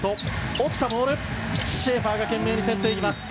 落ちたボール、シェーファーが懸命に競っていきます。